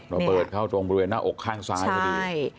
มันเปิดเข้าตรงบริเวณหน้าอกข้างซ้าย